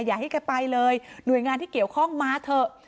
อย่าให้แกไปเลยหน่วยงานที่เกี่ยวข้องมาเถอะ